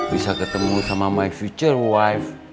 bisa ketemu sama future wife saya